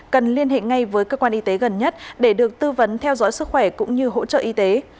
cần liên hệ ngay với cơ quan y tế gần nhất để được tư vấn theo dõi sức khỏe cũng như hỗ trợ y tế